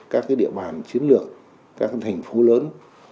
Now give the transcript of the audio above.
các địa bàn chiến lược các thành phố lớn